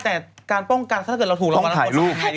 แต่การป้องกันถ้าเกิดเราถูกเราต้องถ่ายรูป